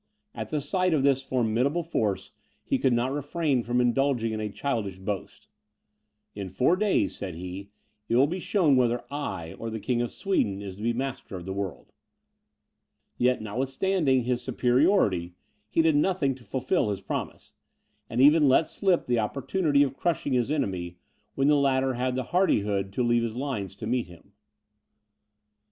At the sight of this formidable force, he could not refrain from indulging in a childish boast: "In four days," said he, "it will be shown whether I or the King of Sweden is to be master of the world." Yet, notwithstanding his superiority, he did nothing to fulfil his promise; and even let slip the opportunity of crushing his enemy, when the latter had the hardihood to leave his lines to meet him.